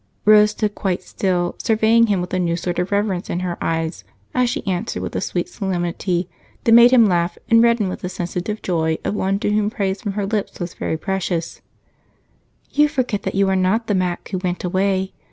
Rose stood quite still, surveying him with a new sort of reverence in her eyes, as she answered with a sweet solemnity that made him laugh and redden with the sensitive joy of one to whom praise from her lips was very precious: "You forget that you are not the Mac who went away.